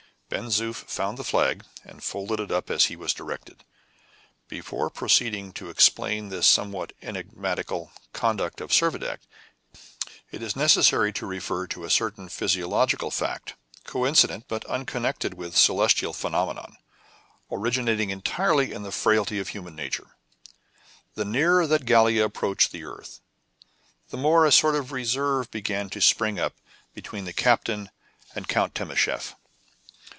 Ben Zoof found the flag, and folded it up as he was directed. Before proceeding to explain this somewhat enigmatical conduct of Servadac, it is necessary to refer to a certain physiological fact, coincident but unconnected with celestial phenomena, originating entirely in the frailty of human nature. The nearer that Gallia approached the earth, the more a sort of reserve began to spring up between the captain and Count Timascheff.